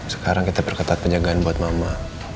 sekarang kita perketat penjagaan buat mama